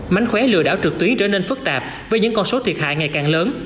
mánh khóe lừa đảo trực tuyến trở nên phức tạp với những con số thiệt hại ngày càng lớn